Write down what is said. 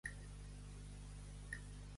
Més llest que un teuladí.